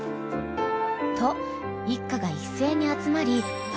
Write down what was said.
［と一家が一斉に集まり］